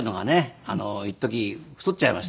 一時太っちゃいまして。